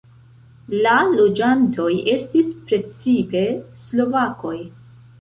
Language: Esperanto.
La loĝantoj estis precipe slovakoj.